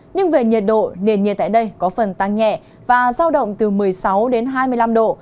nhưng về nhiệt độ nền nhiệt tại đây có phần tăng nhẹ và giao động từ một mươi sáu đến hai mươi năm độ